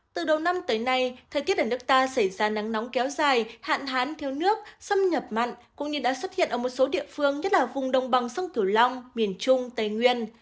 từ đầu năm tới nay thời tiết ở nước ta xảy ra nắng nóng kéo dài hạn hán thiếu nước xâm nhập mặn cũng như đã xuất hiện ở một số địa phương nhất là vùng đồng bằng sông cửu long miền trung tây nguyên